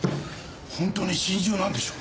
本当に心中なんでしょうか？